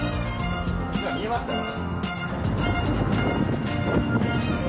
今見えましたね。